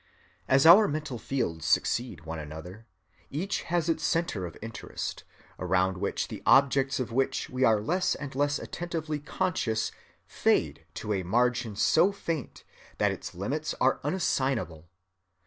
As our mental fields succeed one another, each has its centre of interest, around which the objects of which we are less and less attentively conscious fade to a margin so faint that its limits are unassignable.